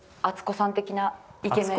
あつこさん的な？